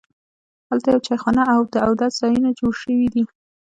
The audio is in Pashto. هلته یوه چایخانه او د اودس ځایونه جوړ شوي دي.